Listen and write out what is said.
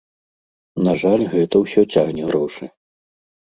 На жаль, гэта ўсё цягне грошы.